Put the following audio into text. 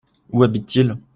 Où habitent-ils ?